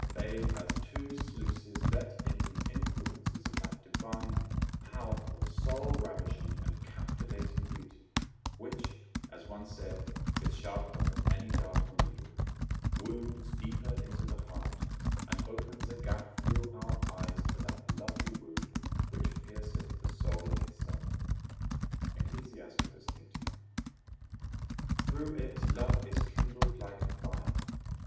they as two sluices let in the influences of that divine, powerful, soul ravishing, and captivating beauty, which, as one saith, is sharper than any dart or needle, wounds deeper into the heart; and opens a gap through our eyes to that lovely wound, which pierceth the soul itself (Ecclus. 18.) Through it love is kindled like a fire.